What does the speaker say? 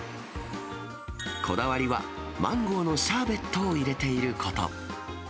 こだわりは、マンゴーのシャーベットを入れていること。